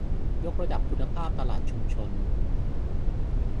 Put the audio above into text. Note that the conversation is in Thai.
ยกระดับคุณภาพตลาดชุมชน